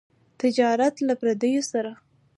تجارت له پرديو سره.